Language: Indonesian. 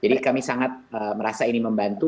kami sangat merasa ini membantu